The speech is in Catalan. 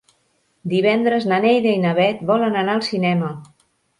Divendres na Neida i na Bet volen anar al cinema.